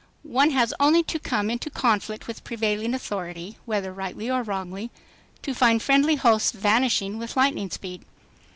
One has only to come into conflict with prevailing authority, whether rightly or wrongly, to find friendly hosts vanishing with lightning speed.